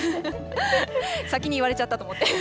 先に言われちゃったと思って。